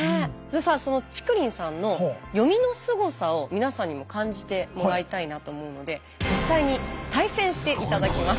さあそのチクリンさんの読みのすごさを皆さんにも感じてもらいたいなと思うので実際に対戦して頂きます。